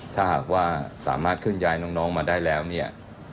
ถ้าหากว่าสามารถเคลื่อนย้ายน้องมาได้แล้วเนี่ย